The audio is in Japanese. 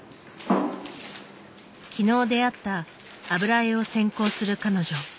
昨日出会った油絵を専攻する彼女。